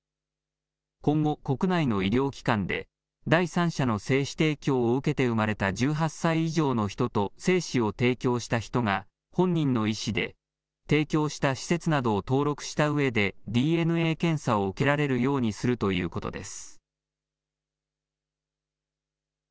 今後、国内の医療機関で第三者の精子提供を受けて生まれた１８歳以上の人と精子を提供した人が本人の意思で提供した施設などを登録したうえでＤＮＡ検査を受けられるようにするということです。